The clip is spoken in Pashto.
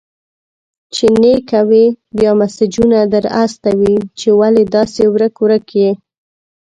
چي نې کوې، بيا مسېجونه در استوي چي ولي داسي ورک-ورک يې؟!